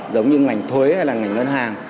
giống như ngành thuế hay ngành ngân hàng